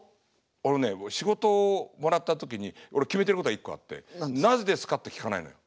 俺ね仕事をもらった時に俺決めてることが一個あって「なぜですか？」って聞かないのよ。